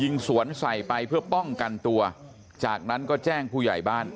สวนใส่ไปเพื่อป้องกันตัวจากนั้นก็แจ้งผู้ใหญ่บ้าน